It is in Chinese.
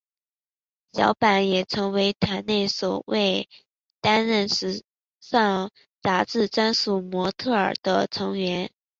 小坂也成为团内首位担任时尚杂志专属模特儿的成员。